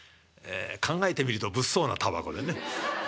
考えてみると物騒なタバコでね。